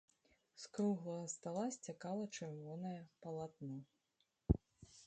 З круглага стала сцякала чырвонае палатно.